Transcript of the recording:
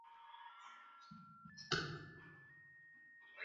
ایا افغان سوداګر وچ انار صادروي؟